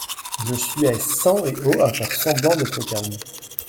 Je suais sang et eau à faire semblant d'être calme.